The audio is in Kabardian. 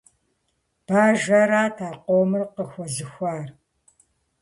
Бажэрат а къомыр къыхуэзыхуар.